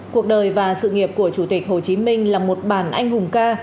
cuộc đời và sự nghiệp của chủ tịch hồ chí minh là một bản anh hùng ca